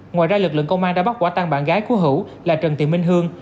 ngoài ra lực lượng công an đã bắt quả tăng bạn gái của hữu là trần thị minh hương